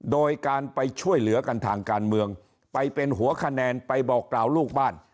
โดยการไปช่วยเหลือกันทางการเมืองไปเป็นหัวคะแนนไปบอกกล่าวลูกบ้าน